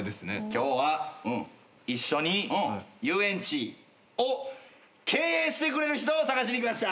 今日は一緒に遊園地を経営してくれる人を探しに来ました。